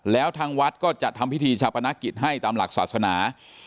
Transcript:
แล้วทางวัดก็จะทำพิธีชาปนกิจให้ตามหลักศาสนา